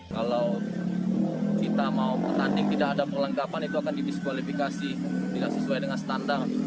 kalau kita mau bertanding tidak ada perlengkapan itu akan didiskualifikasi tidak sesuai dengan standar